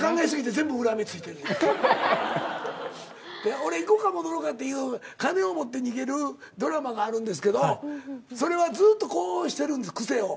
俺「いこかもどろか」っていう金を持って逃げるドラマがあるんですけどそれはずっとこうしてるんです癖を。